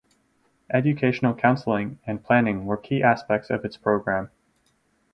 Educational counseling and planning were key aspects of its program.